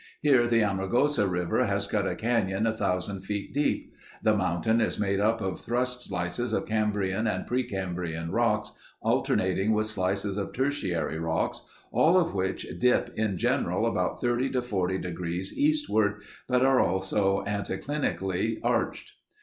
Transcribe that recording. Here the Amargosa river has cut a canyon 1000 feet deep.... The mountain is made up of thrust slices of Cambrian and pre Cambrian rocks alternating with slices of Tertiary rocks, all of which dip in general about 30 to 40 degrees eastward, but are also anticlinally arched."